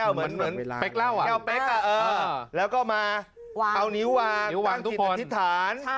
ผมก็เล่นกับเพื่อนเหมือนกัน